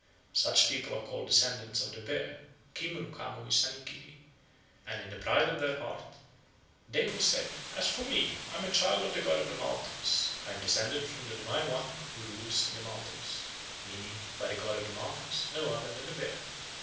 Such people are called "Descendants of the bear" (Kimun Kamui sanikiri), and in the pride of their heart they will say, "As for me, I am a child of the god of the mountains; I am descended from the divine one who rules in the mountains," meaning by "the god of the mountains" no other than the bear.